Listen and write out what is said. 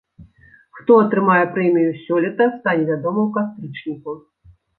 Хто атрымае прэмію сёлета, стане вядома ў кастрычніку.